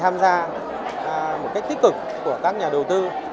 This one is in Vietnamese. hà nội đã tự tham gia một cách tích cực của các nhà đầu tư